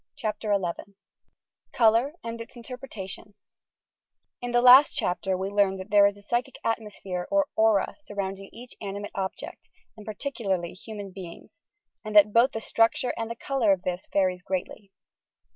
CHAPTER XI COLOUR AND ITS INTERPRETATION' I In the last chapter we learned that thfre is a paychJe atmosphere or "aura," surrounding each animate ob ject, and particularly human heings, and that both the structure and the colour of this varies greatly.